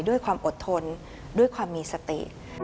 ด้วยความอดทนด้วยความมีสติ